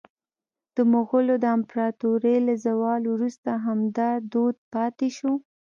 د مغولو د امپراطورۍ له زواله وروسته هم دا دود پاتې شو.